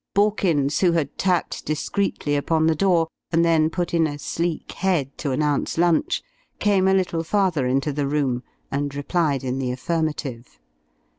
Borkins, who had tapped discreetly upon the door and then put in a sleek head to announce lunch, came a little farther into the room and replied in the affirmative.